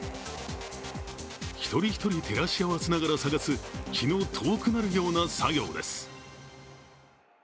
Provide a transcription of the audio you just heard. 一人一人、照らし合わせながら捜す気の遠くなるような作業です。